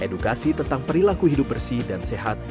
edukasi tentang perilaku hidup bersih dan sehat